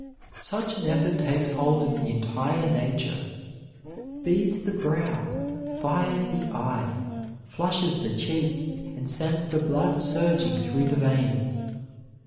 Such an effort takes hold of the entire nature, beads the brow, fires the eye, flushes the cheek, and sends the blood surging through the veins.